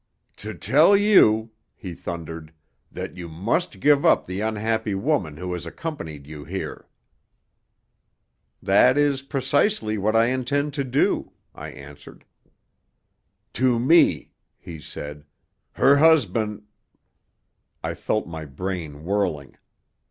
"To tell you," he thundered, "that you must give up the unhappy woman who has accompanied you here." "That is precisely what I intend to do," I answered. "To me," he said. "Her husband " I felt my brain whirling.